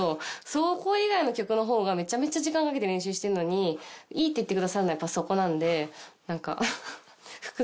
そこ以外の曲の方がめちゃめちゃ時間かけて練習してんのにいいって言ってくださるのはやっぱそこなんで何か複雑です。